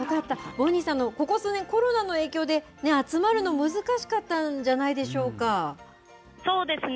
ボニーさん、ここ数年、コロナの影響で、集まるの難しかったんじそうですね。